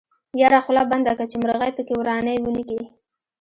يره خوله بنده که چې مرغۍ پکې ورانی ونکي.